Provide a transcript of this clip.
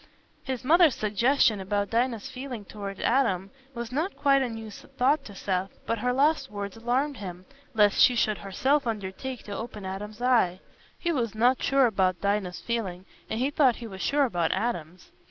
His mother's suggestion about Dinah's feeling towards Adam was not quite a new thought to Seth, but her last words alarmed him, lest she should herself undertake to open Adam's eyes. He was not sure about Dinah's feeling, and he thought he was sure about Adam's.